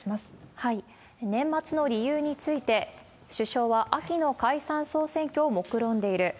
年末の理由について、首相は、秋の解散・総選挙をもくろんでいる。